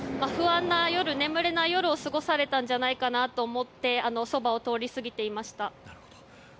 不安な夜、眠れない夜を過ごされたんじゃないかなと思ってそばを通り過ぎていました。